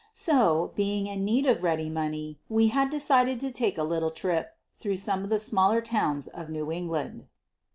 So, being in need of ready money, we had decided to take a little trip through some of the smaller towns of New England.